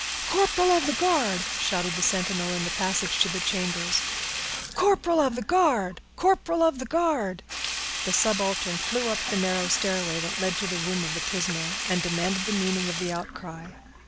—corporal of the guard!" shouted the sentinel in the passage to the chambers, "corporal of the guard!—corporal of the guard!" The subaltern flew up the narrow stairway that led to the room of the prisoner, and demanded the meaning of the outcry.